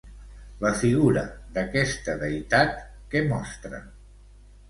La figura d'aquesta deïtat, què mostra?